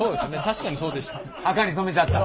確かにそうでした。